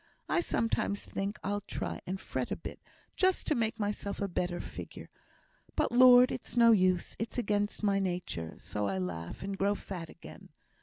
I sometimes think I'll try and fret a bit, just to make myself a better figure; but, Lord! it's no use, it's against my nature; so I laugh and grow fat again.